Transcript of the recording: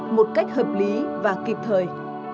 một cách hợp lý và kịp thời